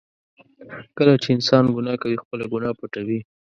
کله چې انسان ګناه کوي، خپله ګناه پټوي.